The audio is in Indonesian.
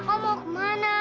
kakak mau kemana